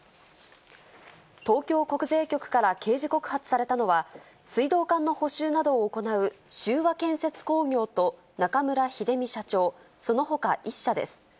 東京国税局から刑事告発されたのは、水道管の補修などを行う秀和建設工業と、中村秀美社長、そのほか１者です。